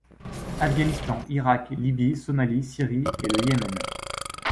Afghanistan, Irak, Libye, Somalie, Syrie et Le Yémen.